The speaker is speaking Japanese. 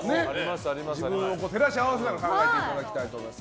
照らし合わせながら考えていただきたいと思います。